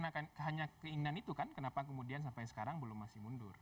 nah hanya keinginan itu kan kenapa kemudian sampai sekarang belum masih mundur